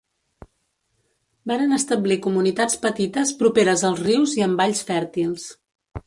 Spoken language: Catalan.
Varen establir comunitats petites properes als rius i en valls fèrtils.